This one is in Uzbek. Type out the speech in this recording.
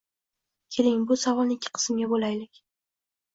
— Keling, bu savolni ikki qismga bo‘laylik.